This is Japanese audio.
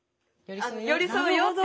寄り添うよって。